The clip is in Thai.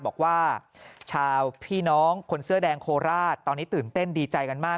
บอกว่าชาวพี่น้องคนเสื้อแดงโคราชตอนนี้ตื่นเต้นดีใจกันมาก